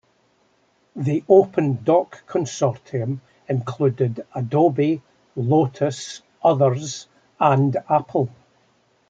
The OpenDoc consortium included Adobe, Lotus, others, and Apple.